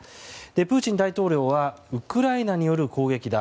プーチン大統領はウクライナによる攻撃だ。